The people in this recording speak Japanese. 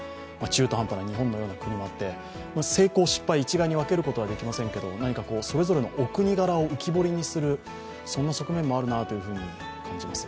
中途半端な日本のような国もあって、成功、失敗、一概に分けることはできませんけど、それぞれのお国柄を浮き彫りにするそんな側面もあるなというふうに感じます。